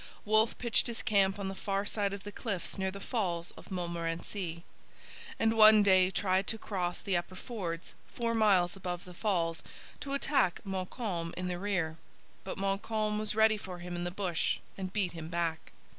Wolfe pitched his camp on the far side of the cliffs near the Falls of Montmorency; and one day tried to cross the upper fords, four miles above the falls, to attack Montcalm in the rear. But Montcalm was ready for him in the bush and beat him back.